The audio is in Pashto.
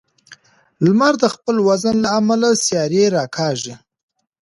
لمر د خپل وزن له امله سیارې راکاږي.